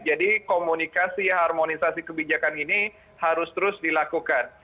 jadi komunikasi harmonisasi kebijakan ini harus terus dilakukan